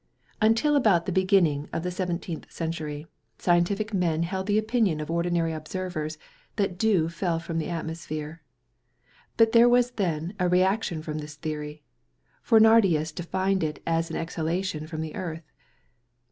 Until about the beginning of the seventeenth century, scientific men held the opinion of ordinary observers that dew fell from the atmosphere. But there was then a reaction from this theory, for Nardius defined it as an exhalation from the earth.